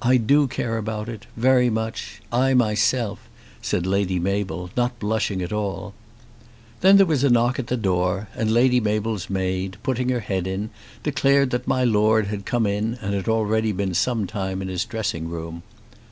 "I do care about it, very much; I myself," said Lady Mabel, not blushing at all. Then there was a knock at the door, and Lady Mabel's maid, putting her head in, declared that my Lord had come in and had already been some time in his dressing room.